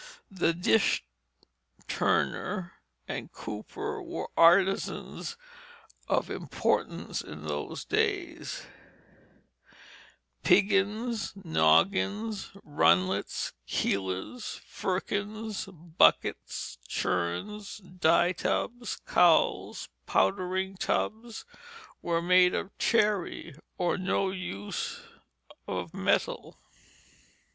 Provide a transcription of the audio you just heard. The dish turner and cooper were artisans of importance in those days; piggins, noggins, runlets, keelers, firkins, buckets, churns, dye tubs, cowles, powdering tubs, were made with chary or no use of metal.